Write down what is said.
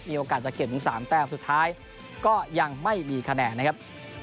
มีโอกาสจะเก็บหนึ่งสามแปบสุดท้ายก็ยังไม่มีคะแนนนะครับ